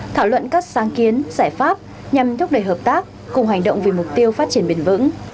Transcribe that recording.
thảo luận các sáng kiến giải pháp nhằm thúc đẩy hợp tác cùng hành động vì mục tiêu phát triển bền vững